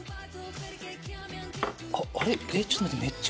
あっあれ？